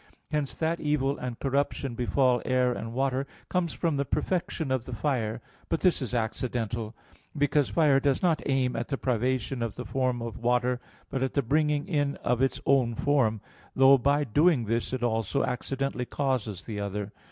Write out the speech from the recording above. Hence that evil and corruption befall air and water comes from the perfection of the fire: but this is accidental; because fire does not aim at the privation of the form of water, but at the bringing in of its own form, though by doing this it also accidentally causes the other.